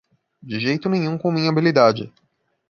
De jeito nenhum com minha habilidade